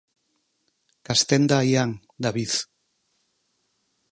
Castenda Aián, David.